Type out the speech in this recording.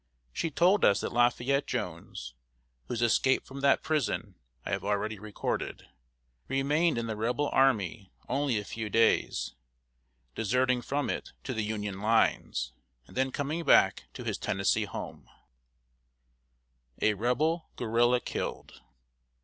She told us that Lafayette Jones, whose escape from that prison I have already recorded, remained in the Rebel army only a few days, deserting from it to the Union lines, and then coming back to his Tennessee home. [Sidenote: A REBEL GUERRILLA KILLED.